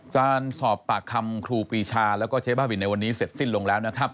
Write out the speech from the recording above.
การสอบปากคำครูปีชาแล้วก็เจ๊บ้าบินในวันนี้เสร็จสิ้นลงแล้วนะครับ